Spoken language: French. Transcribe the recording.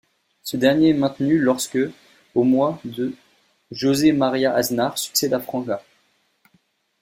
Ce dernier est maintenu lorsque, au mois d', José María Aznar succède à Fraga.